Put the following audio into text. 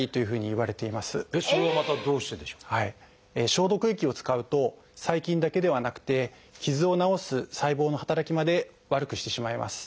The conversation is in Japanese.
消毒液を使うと細菌だけではなくて傷を治す細胞の働きまで悪くしてしまいます。